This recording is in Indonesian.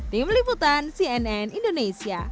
tim liputan cnn indonesia